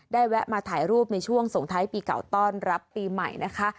แวะมาถ่ายรูปในช่วงส่งท้ายปีเก่าต้อนรับปีใหม่นะคะ